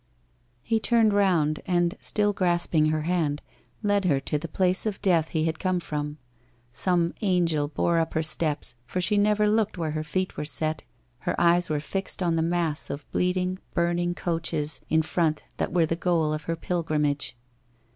He turned round and still grasping her hand, led her to the place of death he had come from. Some angel bore up her steps, for she never looked where her feet were set, her eyes were fixed on the mass of bleeding, burning coaches in front that were the goal of her pilgrimage.